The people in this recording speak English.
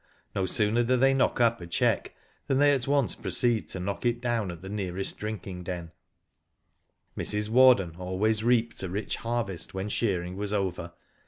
No sooner do they knock up a cheque than they at once proceed to knock it down at the nearest drinking den, Mrs. Warden always reaped a rich harvest when shearing was over.